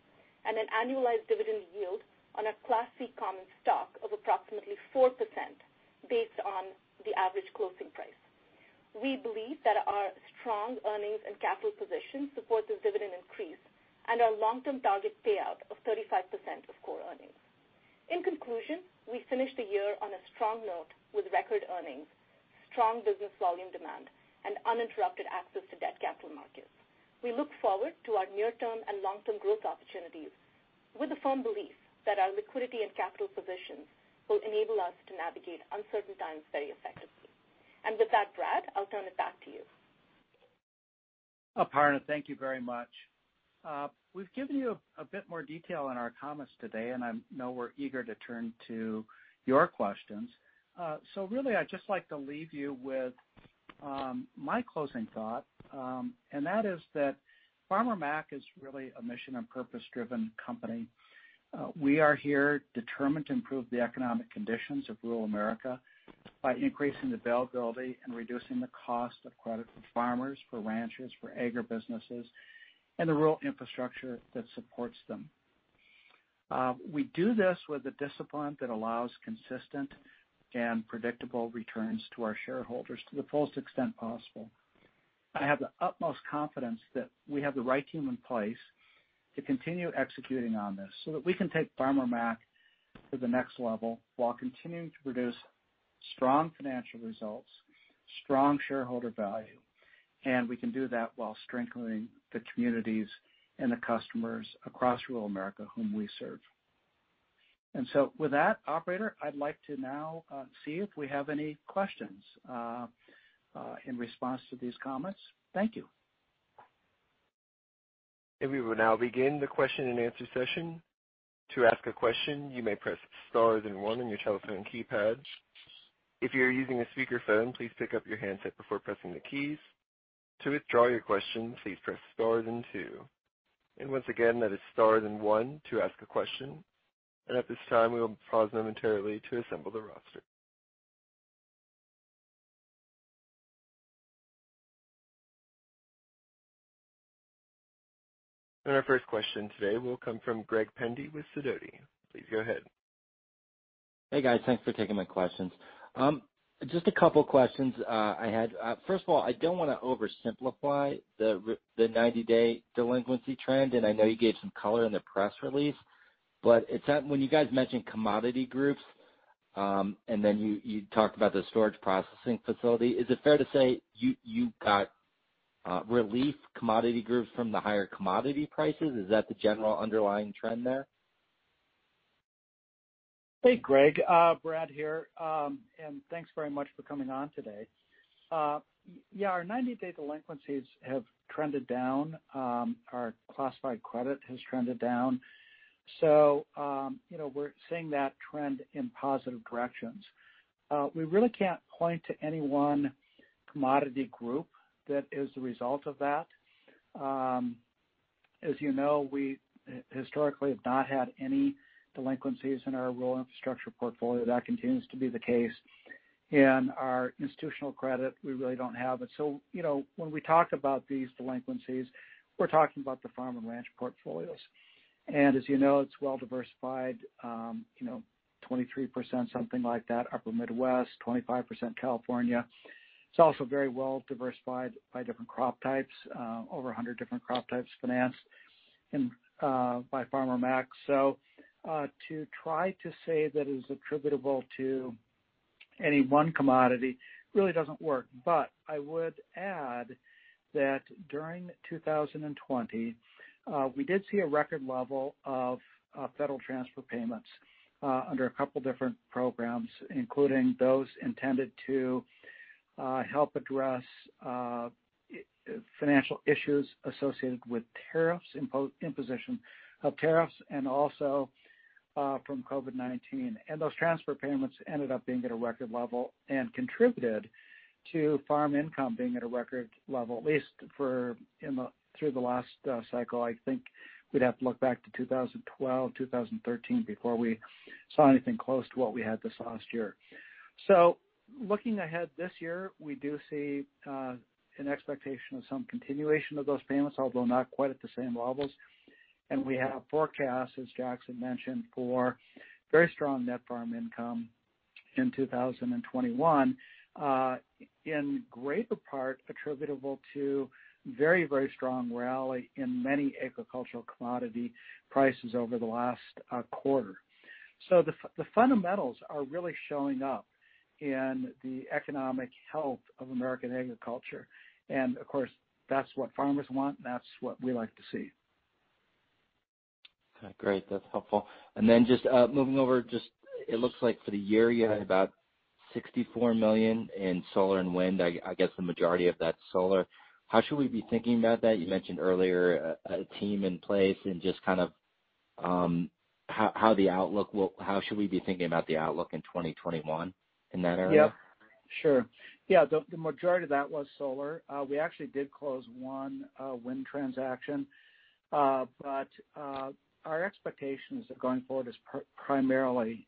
and an annualized dividend yield on our Class C common stock of approximately 4% based on the average closing price. We believe that our strong earnings and capital position support this dividend increase and our long-term target payout of 35% of core earnings. In conclusion, we finished the year on a strong note with record earnings, strong business volume demand, and uninterrupted access to debt capital markets. We look forward to our near term and long-term growth opportunities with the firm belief that our liquidity and capital positions will enable us to navigate uncertain times very effectively. With that, Brad, I'll turn it back to you. Aparna, thank you very much. We've given you a bit more detail in our comments today, and I know we're eager to turn to your questions. Really, I'd just like to leave you with my closing thought, and that is that Farmer Mac is really a mission and purpose-driven company. We are here determined to improve the economic conditions of rural America by increasing availability and reducing the cost of credit for farmers, for ranchers, for agribusinesses, and the rural infrastructure that supports them. We do this with a discipline that allows consistent and predictable returns to our shareholders to the fullest extent possible. I have the utmost confidence that we have the right team in place to continue executing on this, so that we can take Farmer Mac to the next level while continuing to produce strong financial results, strong shareholder value, and we can do that while strengthening the communities and the customers across rural America whom we serve. With that, operator, I'd like to now see if we have any questions in response to these comments. Thank you. We will now begin the question-and-answer session. To ask a question, you may press star then one on your telephone keypad. If you're using a speakerphone, please pick up your handset before pressing the keys. To withdraw your question, please press star then two. Once again, that is star then one to ask a question. At this time, we will pause momentarily to assemble the roster. Our first question today will come from Greg Pendy with Sidoti. Please go ahead. Hey, guys. Thanks for taking my questions. Just a couple questions I had. First of all, I don't want to oversimplify the 90-day delinquency trend, and I know you gave some color in the press release, but when you guys mentioned commodity groups, and then you talked about the storage processing facility, is it fair to say you got relief commodity groups from the higher commodity prices? Is that the general underlying trend there? Hey, Greg. Brad here. Thanks very much for coming on today. Our 90-day delinquencies have trended down. Our classified credit has trended down. We're seeing that trend in positive directions. We really can't point to any one commodity group that is the result of that. As you know, we historically have not had any delinquencies in our rural infrastructure portfolio. That continues to be the case. In our Institutional Credit, we really don't have it. When we talk about these delinquencies, we're talking about the Farm & Ranch portfolios. As you know, it's well diversified, 23%, something like that, upper Midwest, 25% California. It's also very well diversified by different crop types, over 100 different crop types financed by Farmer Mac. To try to say that it is attributable to any one commodity really doesn't work. I would add that during 2020, we did see a record level of federal transfer payments under a couple different programs, including those intended to help address financial issues associated with imposition of tariffs and also from COVID-19. Those transfer payments ended up being at a record level and contributed to farm income being at a record level, at least through the last cycle. I think we'd have to look back to 2012, 2013, before we saw anything close to what we had this last year. Looking ahead this year, we do see an expectation of some continuation of those payments, although not quite at the same levels. We have forecasts, as Jackson mentioned, for very strong net farm income in 2021, in greater part attributable to very strong rally in many agricultural commodity prices over the last quarter. The fundamentals are really showing up in the economic health of American agriculture. Of course, that's what farmers want, and that's what we like to see. Okay, great. That's helpful. Just moving over, it looks like for the year, you had about $64 million in solar and wind, I guess the majority of that's solar. How should we be thinking about that? You mentioned earlier a team in place and just how should we be thinking about the outlook in 2021 in that area? Sure. Yeah, the majority of that was solar. We actually did close one wind transaction. Our expectations are going forward is primarily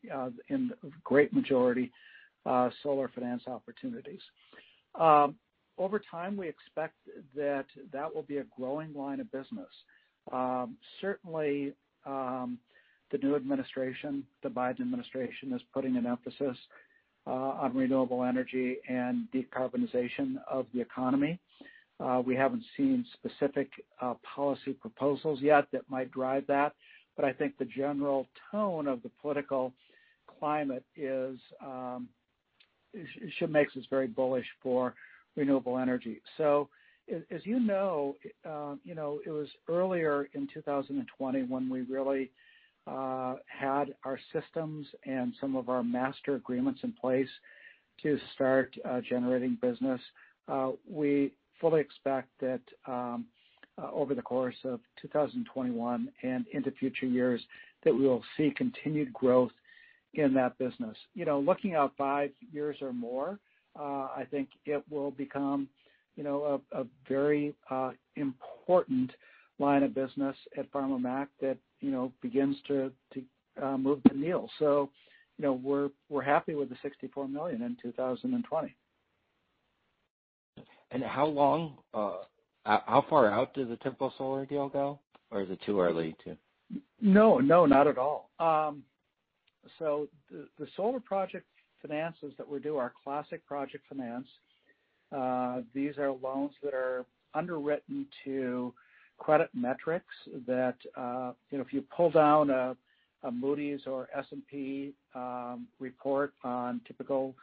in great majority solar finance opportunities. Over time, we expect that that will be a growing line of business. Certainly, the new administration, the Biden administration, is putting an emphasis on renewable energy and decarbonization of the economy. We haven't seen specific policy proposals yet that might drive that. I think the general tone of the political climate makes us very bullish for renewable energy. As you know it was earlier in 2020 when we really had our systems and some of our master agreements in place to start generating business. We fully expect that over the course of 2021 and into future years, that we will see continued growth in that business. Looking out five years or more, I think it will become a very important line of business at Farmer Mac that begins to move the needle. We're happy with the $64 million in 2020. How far out does a typical solar deal go? Is it too early? No, not at all. The solar project finances that we do are classic project finance. These are loans that are underwritten to credit metrics that if you pull down a Moody's or S&P report on typical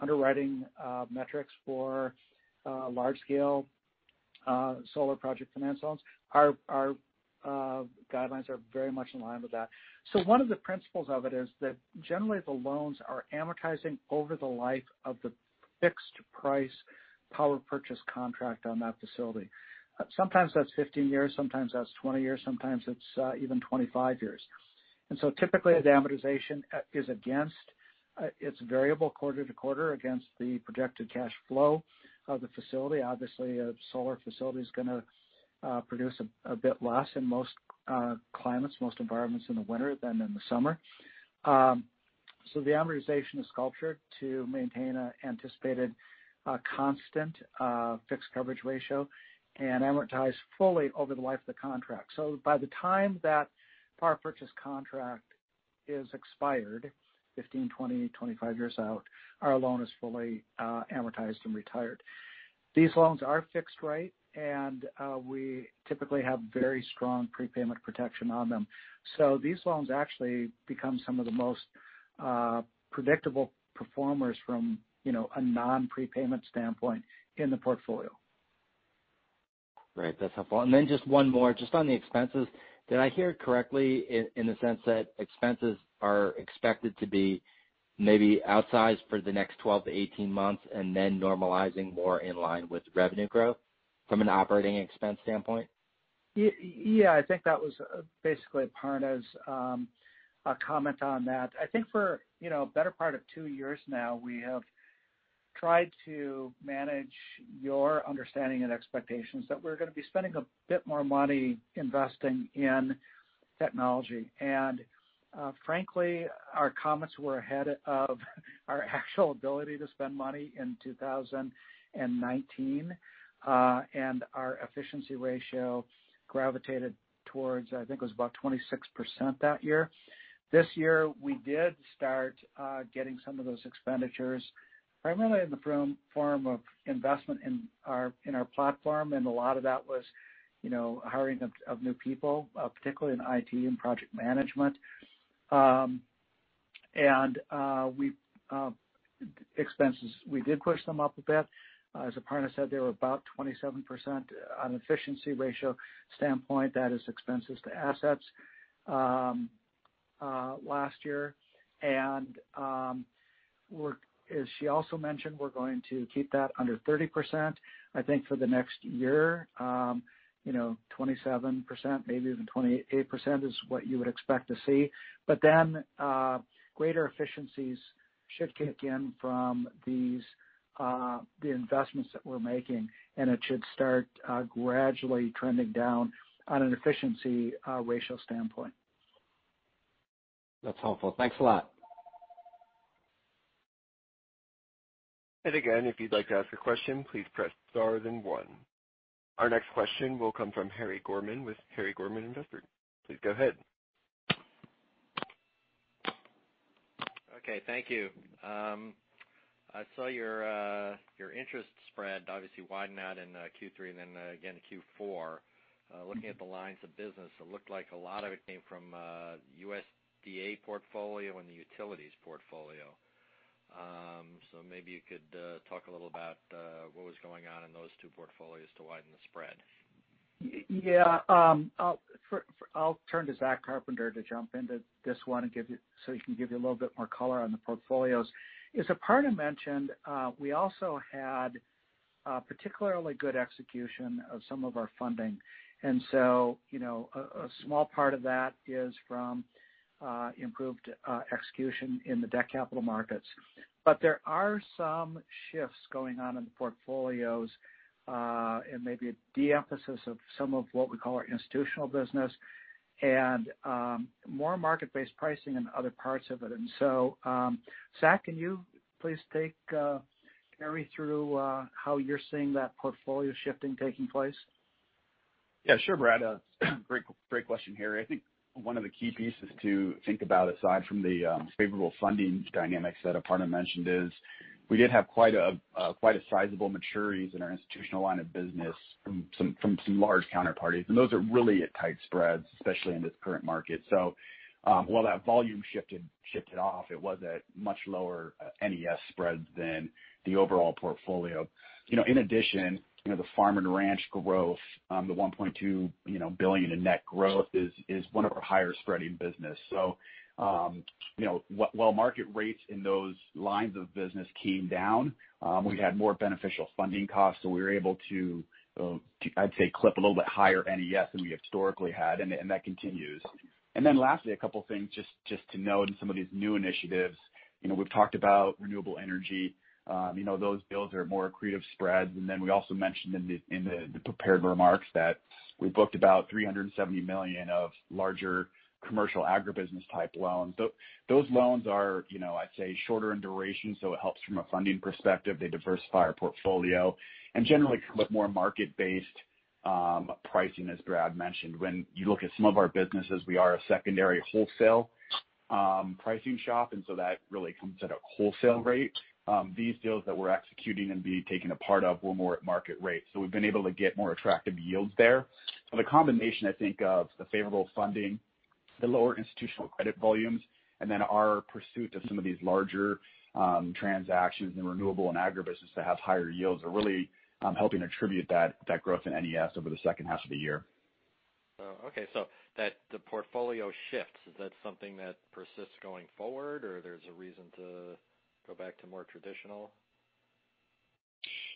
underwriting metrics for large scale solar project finance loans, our guidelines are very much in line with that. One of the principles of it is that generally the loans are amortizing over the life of the fixed price Power Purchase Contract on that facility. Sometimes that's 15 years, sometimes that's 20 years, sometimes it's even 25 years. Typically the amortization is against, it's variable quarter to quarter against the projected cash flow of the facility. Obviously, a solar facility is going to produce a bit less in most climates, most environments in the winter than in the summer. The amortization is sculpted to maintain an anticipated constant fixed-charge coverage ratio, and amortize fully over the life of the contract. By the time that Power Purchase Contract is expired 15, 20, 25 years out, our loan is fully amortized and retired. These loans are fixed-rate, and we typically have very strong prepayment protection on them. These loans actually become some of the most predictable performers from a non-prepayment standpoint in the portfolio. Right. That's helpful. Then just one more just on the expenses. Did I hear correctly in the sense that expenses are expected to be maybe outsized for the next 12 to 18 months, and then normalizing more in line with revenue growth from an operating expense standpoint? Yeah, I think that was basically Aparna's comment on that. I think for a better part of two years now, we have tried to manage your understanding and expectations that we're going to be spending a bit more money investing in technology. Frankly, our comments were ahead of our actual ability to spend money in 2019. Our efficiency ratio gravitated towards, I think it was about 26% that year. This year, we did start getting some of those expenditures, primarily in the form of investment in our platform. A lot of that was hiring of new people, particularly in IT and project management. Expenses, we did push them up a bit. As Aparna said, they were about 27% on efficiency ratio standpoint. That is expenses to assets last year. As she also mentioned, we're going to keep that under 30%, I think for the next year. 27%, maybe even 28% is what you would expect to see. Greater efficiencies should kick in from the investments that we're making, and it should start gradually trending down on an efficiency ratio standpoint. That's helpful. Thanks a lot. Again, if you'd like to ask a question, please press star then one. Our next question will come from Harry Gorman with Harry Gorman Investment. Please go ahead. Okay, thank you. I saw your interest spread obviously widen out in Q3, and then again in Q4. Looking at the lines of business, it looked like a lot of it came from USDA portfolio and the utilities portfolio. Maybe you could talk a little about what was going on in those two portfolios to widen the spread. Yeah. I'll turn to Zack Carpenter to jump into this one, so he can give you a little bit more color on the portfolios. As Aparna mentioned, we also had particularly good execution of some of our funding. A small part of that is from improved execution in the debt capital markets. There are some shifts going on in the portfolios, and maybe a de-emphasis of some of what we call our institutional business, and more market-based pricing in other parts of it. Zack, can you please take Harry through how you're seeing that portfolio shifting taking place? Yeah, sure, Brad. Great question, Harry. I think one of the key pieces to think about, aside from the favorable funding dynamics that Aparna mentioned, is we did have quite a sizable maturities in our institutional line of business from some large counterparties. Those are really at tight spreads, especially in this current market. While that volume shifted off, it was at much lower NES spreads than the overall portfolio. In addition, the Farm & Ranch growth, the $1.2 billion in net growth is one of our higher spreading business. While market rates in those lines of business came down, we had more beneficial funding costs, so we were able to, I'd say, clip a little bit higher NES than we historically had, and that continues. Lastly, a couple things just to note in some of these new initiatives. We've talked about renewable energy. Those bills are more accretive spreads. We also mentioned in the prepared remarks that we booked about $370 million of larger commercial agribusiness-type loans. Those loans are, I'd say, shorter in duration, so it helps from a funding perspective. They diversify our portfolio, generally come with more market-based pricing, as Brad mentioned. When you look at some of our businesses, we are a secondary wholesale pricing shop, that really comes at a wholesale rate. These deals that we're executing and be taking a part of were more at market rate. We've been able to get more attractive yields there. The combination, I think, of the favorable funding, the lower Institutional Credit volumes, and then our pursuit of some of these larger transactions in renewable and agribusiness that have higher yields are really helping attribute that growth in NES over the second half of the year. Oh, okay. The portfolio shifts. Is that something that persists going forward, or there's a reason to go back to more traditional?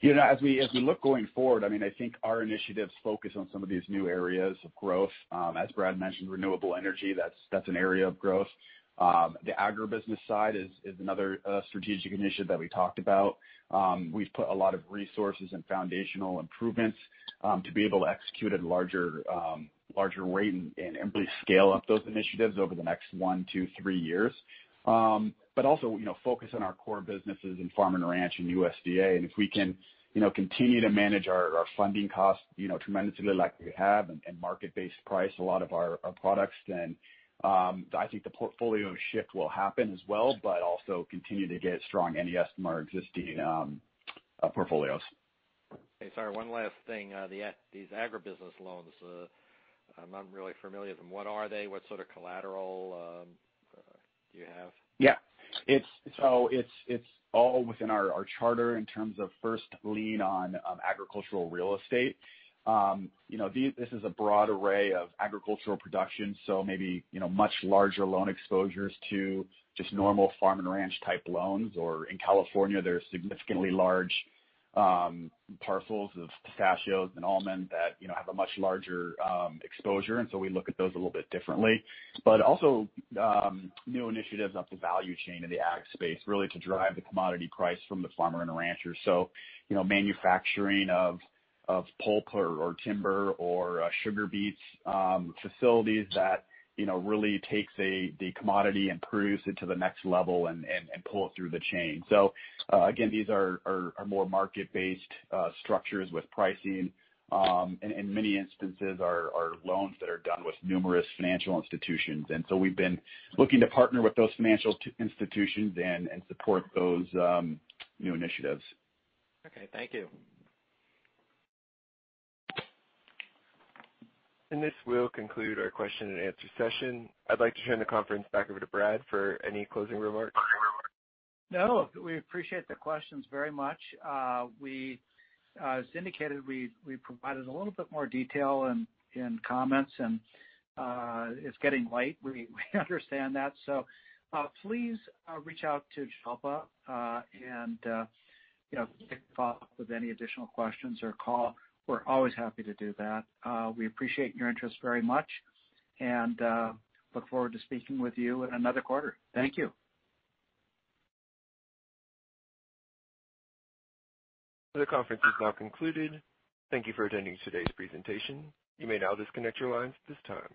As we look going forward, I think our initiatives focus on some of these new areas of growth. As Brad mentioned, renewable energy, that's an area of growth. The agribusiness side is another strategic initiative that we talked about. We've put a lot of resources and foundational improvements to be able to execute at a larger rate and really scale up those initiatives over the next one to three years. Also focus on our core businesses in Farm & Ranch and USDA. If we can continue to manage our funding costs tremendously like we have and market-based price a lot of our products, then I think the portfolio shift will happen as well, but also continue to get strong NES from our existing portfolios. Okay. Sorry, one last thing. These agribusiness loans. I'm not really familiar with them. What are they? What sort of collateral do you have? Yeah. It's all within our charter in terms of first lien on agricultural real estate. This is a broad array of agricultural production, so maybe much larger loan exposures to just normal Farm & Ranch type loans. In California, there's significantly large parcels of pistachios and almonds that have a much larger exposure, and so we look at those a little bit differently. Also new initiatives up the value chain in the ag space, really to drive the commodity price from the farmer and the rancher. Manufacturing of pulp or timber or sugar beets facilities that really takes the commodity and proves it to the next level and pull it through the chain. Again, these are more market-based structures with pricing. In many instances, are loans that are done with numerous financial institutions. We've been looking to partner with those financial institutions and support those new initiatives. Okay, thank you. This will conclude our question and answer session. I'd like to turn the conference back over to Brad for any closing remarks. No, we appreciate the questions very much. As indicated, we provided a little bit more detail and comments, and it's getting late. We understand that. Please reach out to Jalpa and follow up with any additional questions or call. We're always happy to do that. We appreciate your interest very much and look forward to speaking with you in another quarter. Thank you. The conference is now concluded. Thank you for attending today's presentation. You may now disconnect your lines at this time.